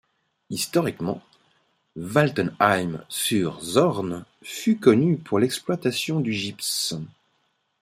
Historiquement, Waltenheim-Sur-Zorn fut connue pour l'exploitation du gypse.